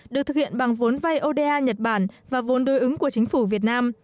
được thực hiện bằng vốn vay oda nhật bản và vốn đối ứng của chính phủ việt nam